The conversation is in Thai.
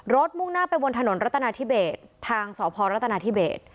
มุ่งหน้าไปบนถนนรัตนาธิเบสทางสพรัฐนาธิเบส